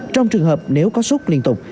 trong trường hợp nếu có xúc liên tục